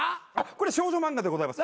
これ少女漫画でございます。